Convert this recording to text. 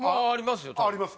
ありますよ